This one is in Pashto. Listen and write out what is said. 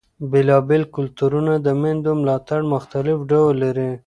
بېلابېل کلتورونه د مېندو ملاتړ مختلف ډول لري.